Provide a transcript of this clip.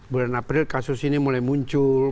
bulan april kasus ini mulai muncul